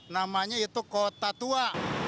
namanya itu kota tua